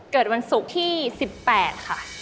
เกิดวันศุกร์ที่สิบแปดค่ะ